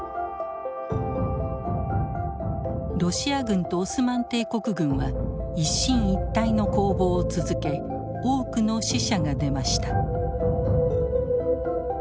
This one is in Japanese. ロシア軍とオスマン帝国軍は一進一退の攻防を続け多くの死者が出ました。